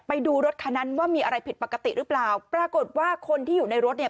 ไปดูรถคันนั้นว่ามีอะไรผิดปกติหรือเปล่าปรากฏว่าคนที่อยู่ในรถเนี่ย